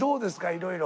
いろいろ。